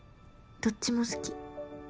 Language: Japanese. どっちも好き。